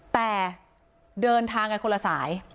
แต่เดินทางกันคนละสาย